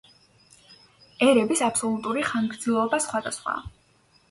ერების აბსოლუტური ხანგრძლივობა სხვადასხვაა.